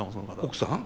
奥さん？